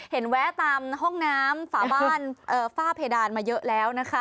แวะตามห้องน้ำฝาบ้านฝ้าเพดานมาเยอะแล้วนะคะ